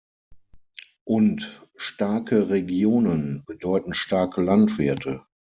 Und starke Regionen bedeuten starke Landwirte.